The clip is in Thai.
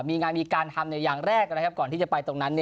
มีงานมีการทำในอย่างแรกนะครับก่อนที่จะไปตรงนั้น